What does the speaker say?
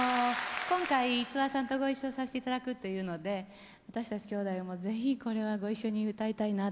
今回五輪さんとご一緒させていただくというので私たちきょうだいも是非これはご一緒に歌いたいなと。